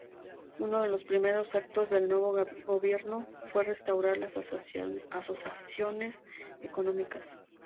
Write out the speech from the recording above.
Uno de los primeros actos del nuevo gobierno fue restaurar las asociaciones económicas.